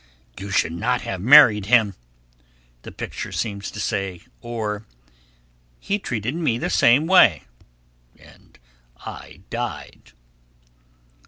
"You should not have married him," the picture seems to say, or; "He treated me the same way, and I died."